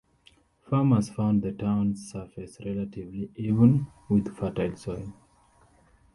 Farmers found the town's surface relatively even, with fertile soil.